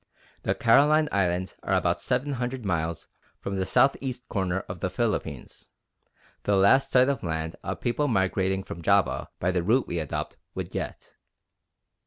The Caroline Islands are about 700 miles from the south east corner of the Philippines, the last sight of land a people migrating from Java by the route we adopt would get.